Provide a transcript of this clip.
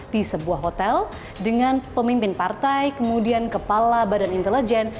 di sebuah hotel dengan pemimpin partai kemudian kepala badan intelijen